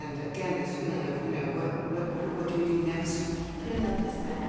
これなんですけども。